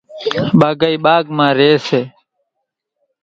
ٻاگھائِي ٻاگھ مان ريئيَ سي۔